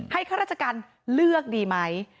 ข้าราชการเลือกดีไหม